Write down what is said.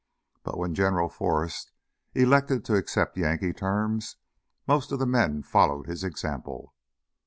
But when General Forrest elected to accept Yankee terms, most of the men followed his example.